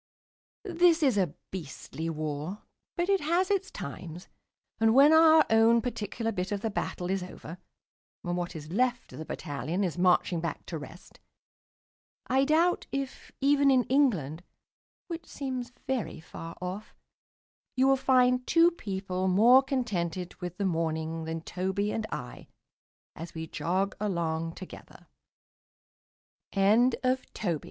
This is a beastly war. But it has its times; and when our own particular bit of the battle is over, and what is left of the battalion is marching back to rest, I doubt if, even in England (which seems very far off), you will find two people more contented with the morning than Toby and I, as we jog along